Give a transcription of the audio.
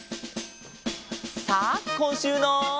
さあこんしゅうの。